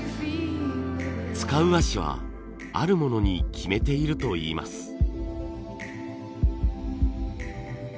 使う和紙はあるものに決めているといいます。